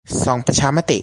ส่องประชามติ